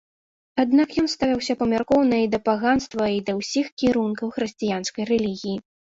Аднак ён ставіўся памяркоўна і да паганства, і да ўсіх кірункаў хрысціянскай рэлігіі.